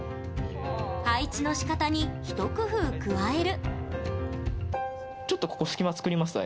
配置のしかたに、一工夫加える。